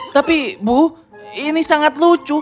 tapi bu ini sangat lucu